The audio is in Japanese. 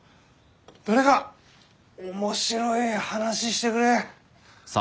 誰か面白い話してくれ！